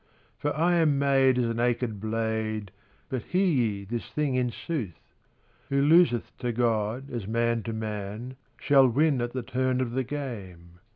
For I am made as a naked blade But hear ye this thing in sooth: Who loseth to God as man to man Shall win at the turn of the game.